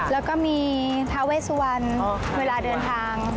แล้วก็มีทาเวสวันเวลาเดินทาง